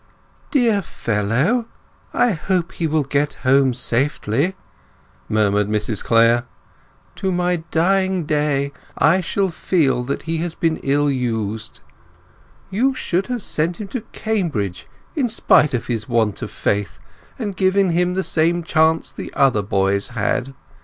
"Dear fellow, I hope he will get home safely," murmured Mrs Clare. "To my dying day I shall feel that he has been ill used. You should have sent him to Cambridge in spite of his want of faith and given him the same chance as the other boys had.